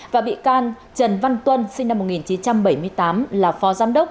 và bị can trần văn tuân sinh năm một nghìn chín trăm bảy mươi tám là phó giám đốc